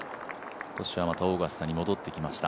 今年はまたオーガスタに戻ってきました。